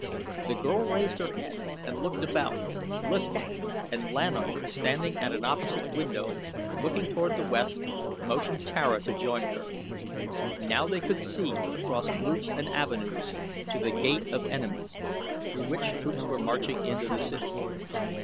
The girl raised her head and looked about, listening, and Lan O, standing at an opposite window, looking toward the west, motioned Tara to join her. Now they could see across roofs and avenues to The Gate of Enemies, through which troops were marching into the city.